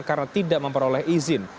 karena tidak memperoleh izin